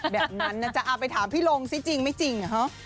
แบบนั้นนะจ๊ะเอาไปถามพี่ลงซิจริงไม่จริง